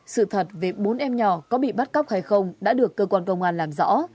sự thật về bốn em nhỏ có bị bắt cóc hay không đã được cơ quan công an làm rõ